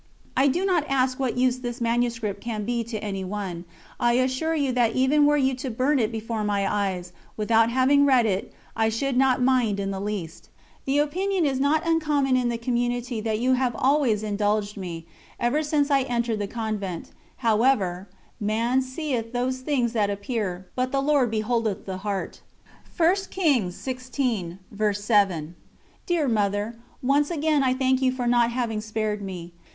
I do not ask what use this manuscript can be to any one, I assure you that even were you to burn it before my eyes, without having read it, I should not mind in the least. The opinion is not uncommon in the Community that you have always indulged me, ever since I entered the Convent; however, "Man seeth those things that appear, but the Lord beholdeth the heart." Dear Mother, once again I thank you for not having spared me.